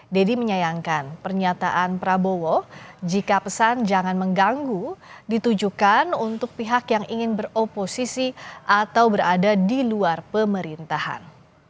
deddy menyayangkan pernyataan prabowo jika pesan jangan mengganggu ditujukan untuk pihak yang ingin beroposisi atau berada di luar pemerintahan